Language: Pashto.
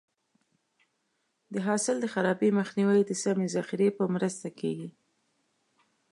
د حاصل د خرابي مخنیوی د سمې ذخیرې په مرسته کېږي.